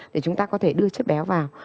để chúng ta có thể đưa chất béo vào